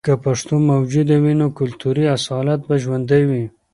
که پښتو موجوده وي، نو کلتوري اصالت به ژوندۍ وي.